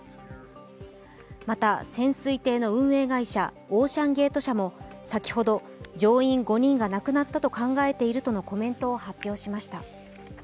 また、潜水艇の運営会社オーシャンゲート社も先ほど、乗員５人が亡くなったと考えているとのコメントを発表しました。